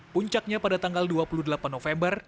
puncaknya pada tanggal dua puluh delapan november